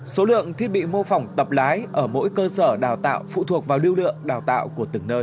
số lượng thiết bị mô phỏng tập lái ở mỗi cơ sở đào tạo phụ thuộc vào lưu lượng đào tạo của từng nơi